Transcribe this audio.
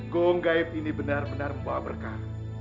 go gaib ini benar benar membawa berkah